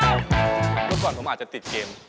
เมื่อก่อนผมอาจจะติดเกม